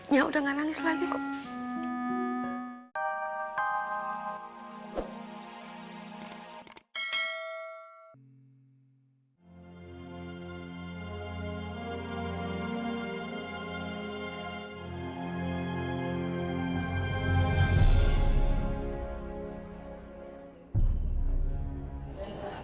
nyak udah gak nangis lagi kok